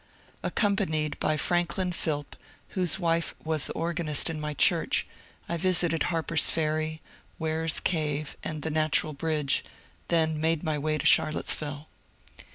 Accompanied by Franklin Philp, whose wife was the organist in my church, I visited Harper's Ferry, "Weir's Cave, and the Natural Bridge, then made my way to Char lottesyiUe.